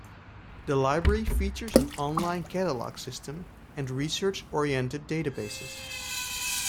The Library features an online catalog system and research-oriented databases.